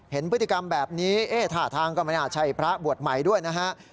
เห็นพฤติกรรมแบบนี้ท่าทางก็ไม่น่าใช่พระบวชใหม่ด้วยนะฮะ